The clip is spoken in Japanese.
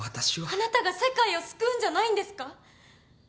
あなたが世界を救うんじゃないんですか？